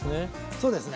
そうですね。